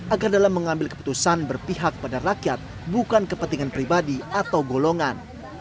agar dalam mengambil keputusan berpihak pada rakyat bukan kepentingan pribadi atau golongan